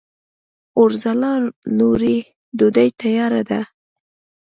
اورځلا لورې! ډوډۍ تیاره ده؟